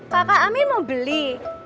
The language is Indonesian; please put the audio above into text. kakak ami mau beli